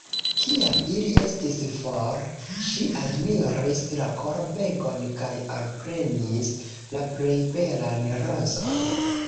Kiam ili estis for, ŝi admiris la korbegon kaj elprenis la plej belan rozon.